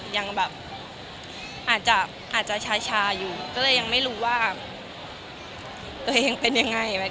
ยังแบบอาจจะชาอยู่ก็เลยยังไม่รู้ว่าตัวเองเป็นยังไง